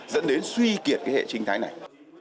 dẫn đến suy kiệt hệ sinh thái này